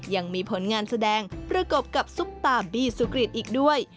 ยังมีผลงานแสดงประกบกับซุปตาบี้สุกริตอีกด้วย